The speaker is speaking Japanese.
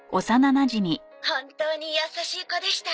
本当に優しい子でした。